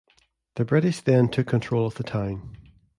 The British then took control of the town.